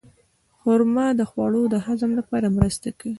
خرما د خوړو د هضم لپاره مرسته کوي.